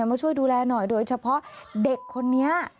มาช่วยดูแลหน่อยโดยเฉพาะเด็กคนนี้